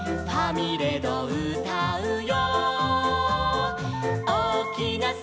「ファミレドうたうよ」